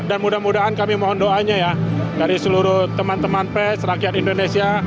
dan mudah mudahan kami mohon doanya ya dari seluruh teman teman pes rakyat indonesia